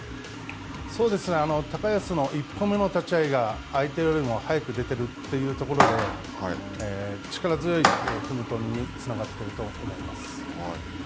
高安の一歩目の立ち合いが相手よりも早く出てるというところで、力強い踏み込みにつながっていると思います。